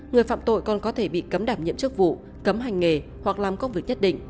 người phạm tội còn có thể bị cấm đảm nhiệm chức vụ cấm hành nghề hoặc làm công việc nhất định